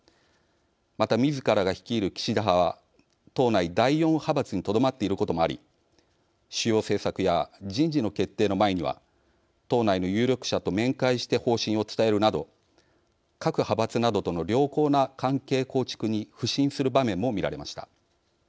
また、みずからが率いる岸田派は党内第４派閥にとどまっていることもあり主要政策や人事の決定の前には党内の有力者と面会して方針を伝えるなど各派閥などとの良好な関係構築に腐心する場面も見られました。